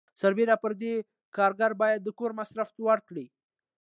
سربیره پر دې کارګر باید د کور مصرف ورکړي.